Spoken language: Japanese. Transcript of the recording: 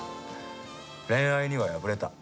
恋愛には敗れた。